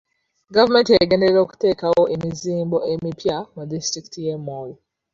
Gavumenti egenderera okuteekawo emizimbo emipya mu disitulikiti y'e Moyo.